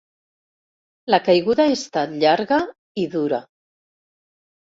La caiguda ha estat llarga i dura.